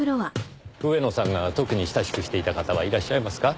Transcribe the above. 上野さんが特に親しくしていた方はいらっしゃいますか？